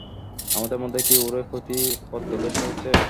আমাদের মধ্যে কি ওরই প্রতি প্রত্যাদেশ হয়েছে?